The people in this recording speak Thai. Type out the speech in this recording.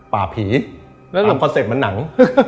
ป่าผีตามคอนเซ็ปต์มันหนัง